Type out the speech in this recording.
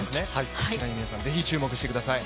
こちらに皆さんぜひ注目してください。